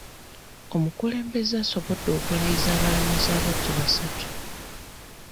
Omukulembeze asobodde okulayizza abalamuzi abagya basatu.